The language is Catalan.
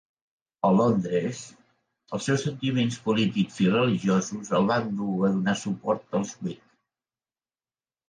A Londres, els seus sentiments polítics i religiosos el van dur a donar suport als whig.